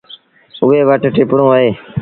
اُئي وٽ ٽپڻو اهي۔